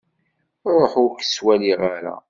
Ruḥ ur-k ttwaliɣ ara!